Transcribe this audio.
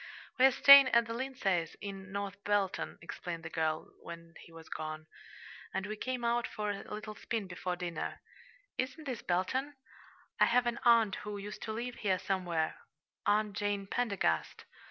"We are staying at the Lindsays', in North Belton," explained the girl, when he was gone, "and we came out for a little spin before dinner. Isn't this Belton? I have an aunt who used to live here somewhere Aunt Jane Pendergast".